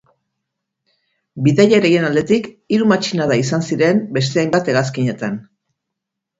Bidaiarien aldetik hiru matxinada izan ziren beste hainbat hegazkinetan.